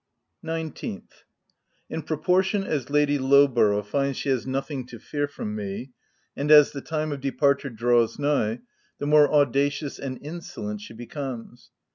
Nineteenth. — In proportion as Lady Low borough finds she has nothing to fear from me, and as the time of departure draws nigh, the more audacious and insolent she becomes.